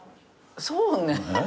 そうね。